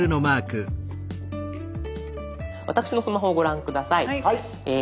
私のスマホをご覧下さい。